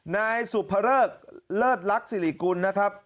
นายสุภเริกเลิศลักษิริกุลนะครับ